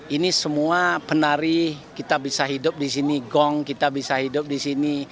ini semua penari kita bisa hidup di sini gong kita bisa hidup di sini